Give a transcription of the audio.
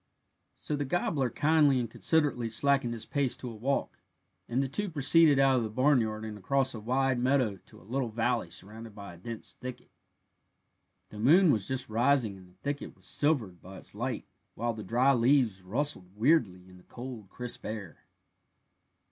So the gobbler kindly and considerately slackened his pace to a walk, and the two proceeded out of the barnyard and across a wide meadow to a little valley surrounded by a dense thicket. The moon was just rising and the thicket was silvered by its light, while the dry leaves rustled weirdly in the cold crisp air.